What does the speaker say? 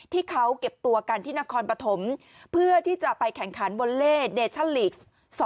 ที่เขาเก็บตัวกันที่นครปฐมเพื่อที่จะไปแข่งขันวอลเล่เดชั่นลีก๒๐